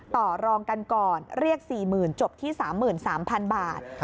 ต่อรองกันก่อนเรียก๔๐๐๐จบที่๓๓๐๐๐บาท